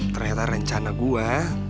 ternyata rencana gue